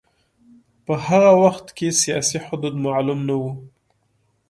په هغه وخت کې سیاسي حدود معلوم نه و.